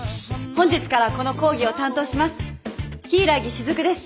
本日からこの講義を担当します柊木雫です。